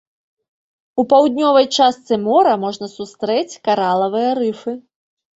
У паўднёвай частцы мора можна сустрэць каралавыя рыфы.